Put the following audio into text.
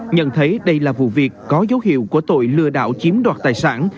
nhận thấy đây là vụ việc có dấu hiệu của tội lừa đảo chiếm đoạt tài sản